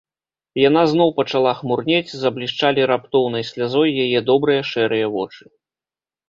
Яна зноў пачала хмурнець, заблішчалі раптоўнай слязой яе добрыя шэрыя вочы.